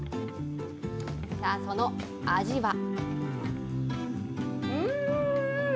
さあ、その味は。